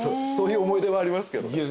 そういう思い出はありますけど。